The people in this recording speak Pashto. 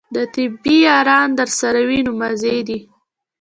د طبې یاران درسره وي نو مزې دي.